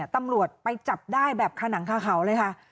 ตำรวจไปจับได้แบบขนังคาเขาเลยค่ะ